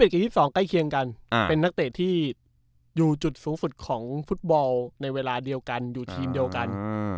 กับ๒๒ใกล้เคียงกันเป็นนักเตะที่อยู่จุดสูงสุดของฟุตบอลในเวลาเดียวกันอยู่ทีมเดียวกัน